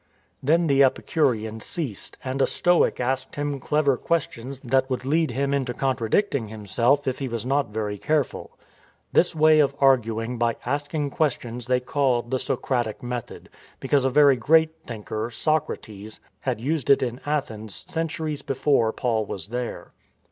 " Then the Epicurean ceased and a Stoic asked him clever questions that would lead him into contradicting THE SCORN OF ATHENS 219 himself if he was not very careful. This way of arguing by asking questions they called the Socratic method, because a very great thinker, Socrates, had used it in Athens centuries before Paul was there.